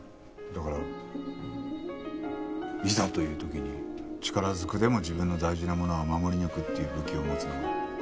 だからいざという時に力ずくでも自分の大事なものは守り抜くっていう武器を持つのは。